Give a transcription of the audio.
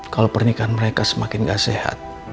kalau pernikahan mereka semakin tidak sehat